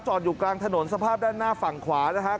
อยู่กลางถนนสภาพด้านหน้าฝั่งขวานะครับ